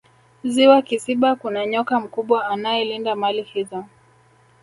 ziwa kisiba kuna nyoka mkubwa anaelinda mali hizo